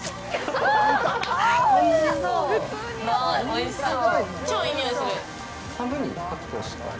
おいしそう。